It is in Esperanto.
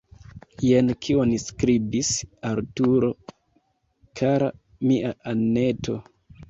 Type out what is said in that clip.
Jen kion skribis Arturo: « Kara mia Anneto!